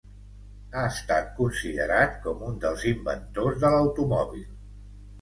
Ha estat considerat com un dels inventors de l'automòbil.